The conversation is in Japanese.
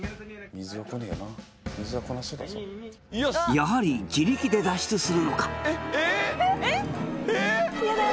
やはり自力で脱出するのか？